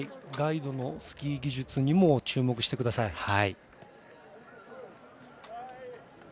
ガイドのスキー技術にも注目してください。